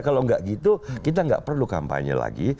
kalau tidak begitu kita tidak perlu kampanye lagi